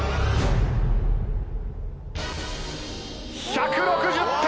１６０点！